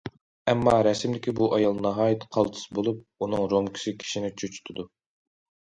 ئەمما رەسىمدىكى بۇ ئايال ناھايىتى قالتىس بولۇپ، ئۇنىڭ رومكىسى كىشىنى چۈچۈتىدۇ.